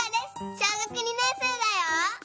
小学２年生だよ。